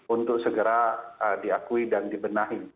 untuk segera diakui dan dibenahi